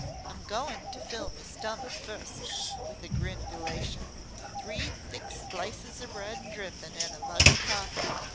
"I'm goin' to fill me stummick fust," with a grin of elation. "Three thick slices o' bread an' drippin' an' a mug o' cawfee.